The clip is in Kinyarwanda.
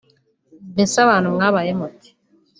Mbese abantu mwabaye mute